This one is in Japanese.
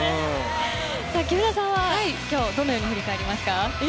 木村さんは今日どのように振り返りますか？